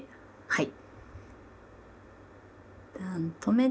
はい。